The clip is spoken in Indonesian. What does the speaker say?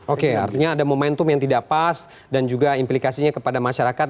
oke artinya ada momentum yang tidak pas dan juga implikasinya kepada masyarakat